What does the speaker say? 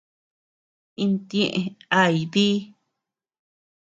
Intieʼë ay dí.